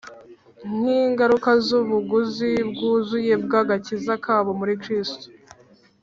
nk'ingaruka z'ubuguzi bwuzuye bw'agakiza kabo muri Kristo.